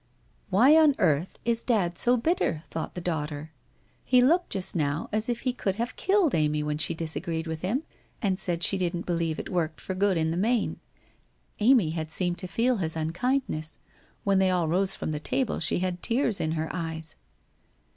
' Why on earth is Dad so bitter ?' thought the daughter. ' He looked just now as if he could have killed Amy when she disagreed with him, and said she didn't believe it worked for good in the main?' Amy had seemed to feel his unkindness. When they all rose from the table she had tears in her eyes.